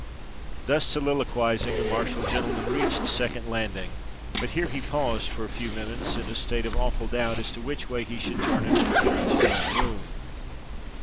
Thus soliloquising, the martial gentleman reached the second landing; but here he paused for a few minutes in a state of awful doubt as to which way he should turn in order to reach his own room.